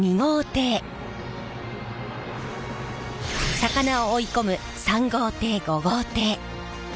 魚を追い込む３号艇５号艇。